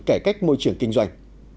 cải cách môi trường kinh doanh